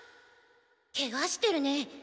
ケガしてるね。